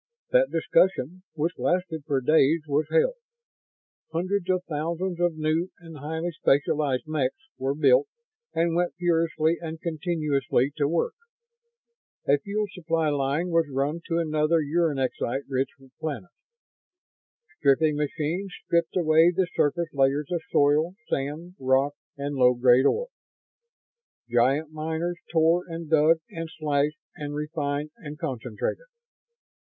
That discussion, which lasted for days, was held. Hundreds of thousands of new and highly specialized mechs were built and went furiously and continuously to work. A fuel supply line was run to another uranexite rich planet. Stripping machines stripped away the surface layers of soil, sand, rock and low grade ore. Giant miners tore and dug and slashed and refined and concentrated.